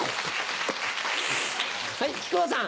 はい木久扇さん。